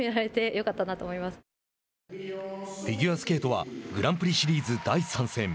フィギュアスケートはグランプリシリーズ第３戦。